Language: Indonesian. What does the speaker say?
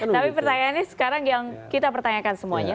tapi pertanyaannya sekarang yang kita pertanyakan semuanya